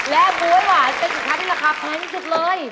และบัวหวานเป็นสินค้าที่ราคาแพงที่สุดเลย